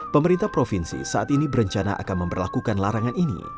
pemerintah provinsi saat ini berencana akan memperlakukan larangan ini